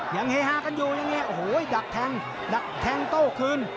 เฮฮากันอยู่อย่างนี้โอ้โหดักแทงดักแทงโต้คืน